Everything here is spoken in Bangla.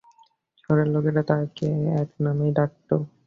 শহরের লোকেরা তাকে এ নামেই ডাকত।